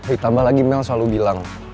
ditambah lagi mel selalu bilang